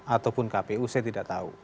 ataupun kpu saya tidak tahu